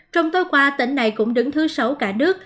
trong tối qua tỉnh này cũng đứng thứ sáu cả nước